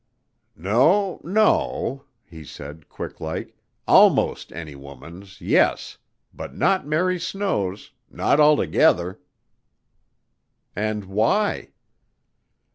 "No, no," he said, quick like. "Almost any woman's yes; but not Mary Snow's not altogether." "And why?"